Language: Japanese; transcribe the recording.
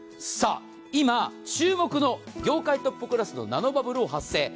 さあ、今、注目の業界トップクラスのナノバブル発生。